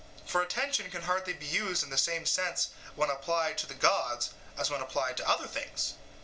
For attention can hardly be used in the same sense when applied to the gods as when applied to other things.